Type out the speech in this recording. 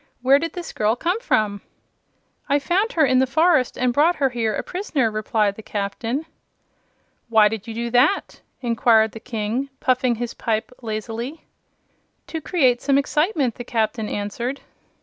"Where did this girl come from?" "I found her in the forest and brought her here a prisoner," replied the Captain. "Why did you do that?" inquired the King, puffing his pipe lazily. "To create some excitement," the Captain answered.